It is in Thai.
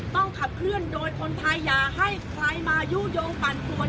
ต้องขับเคลื่อนโดยคนไทยอย่าให้ใครมายุโยงปั่นป่วน